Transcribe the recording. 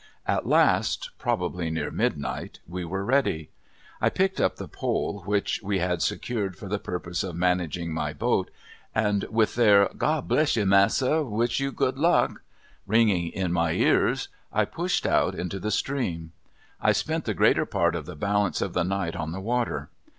At last probably near midnight we were ready. I picked up the pole which we had secured for the purpose of managing my boat, and with their "God bless you, massa, wish you good luck," ringing in my ears, I pushed out into the stream. I spent the greater part of the balance of the night on the water.